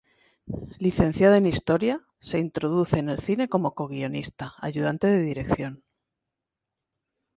Licenciada en historia, se introduce en el cine como coguionista, ayudante de dirección.